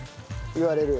いわれる。